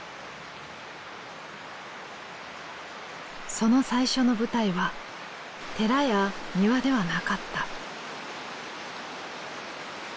その最初の舞台は寺や庭ではなかった。